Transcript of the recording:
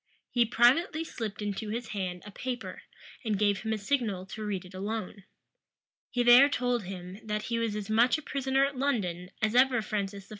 He privately slipped into his hand a paper, and gave him a signal to read it alone. He there told him, that he was as much a prisoner at London as ever Francis I.